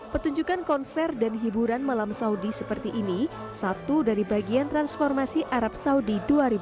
petunjukan konser dan hiburan malam saudi seperti ini satu dari bagian transformasi arab saudi dua ribu dua puluh